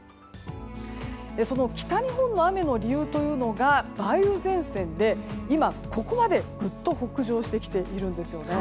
その北日本の雨の理由が梅雨前線で、今ここまでぐっと北上してきているんです。